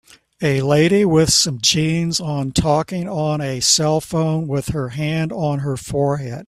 A lady with some jeans on talking on a cellphone with her hand on her forehead